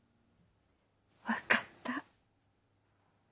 分かった。